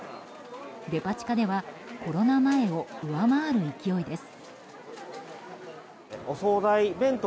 デパ地下ではコロナ前を上回る勢いです。